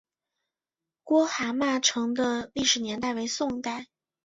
郭蛤蟆城的历史年代为宋代。